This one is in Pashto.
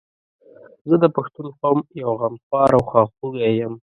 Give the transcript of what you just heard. زه د پښتون قوم یو غمخوار او خواخوږی یم